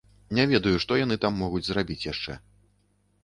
Не ведаю, што яны там могуць зрабіць яшчэ.